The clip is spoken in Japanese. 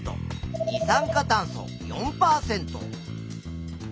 二酸化炭素４％。